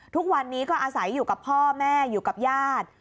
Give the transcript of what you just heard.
ทุกวันนี้ก็อาศัยอยู่กับพ่อแม่อยู่กับญาติ